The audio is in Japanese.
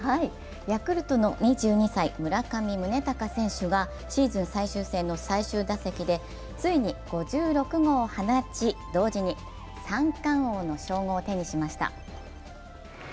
ヤクルトの２２歳、村上宗隆選手がシーズン最終戦の最終打席でついに５６号を放ち、同時に三冠王の称号を手にしました。